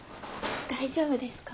大丈夫ですか？